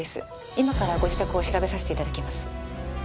今からご自宅を調べさせて頂きます。